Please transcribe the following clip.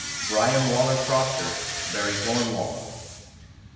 BRYAN WALLER PROCTER (Barry Cornwall).